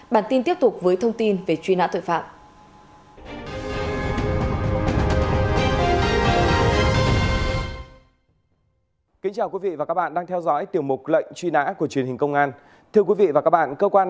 bản tin tiếp tục với thông tin về truy nã tội phạm